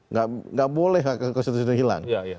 nggak boleh hak konstitusional hilang